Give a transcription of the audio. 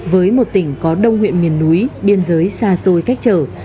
với một tỉnh có đông huyện miền núi biên giới xa xôi cách trở